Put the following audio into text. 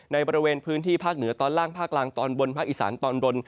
ในบริเวณพื้นที่ภาคเหนือตอนล่างภาคกลางตอนบนภาคอีสานตอนบน